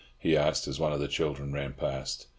he asked as one of the children ran past.